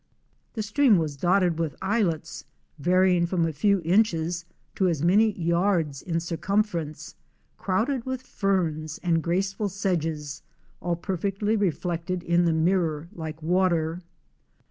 The stream was dotted with islets, varying from a few inches to as many yards in circumference, crowded with ferns and graceful sedges, all perfectly reflected in the mirror like water.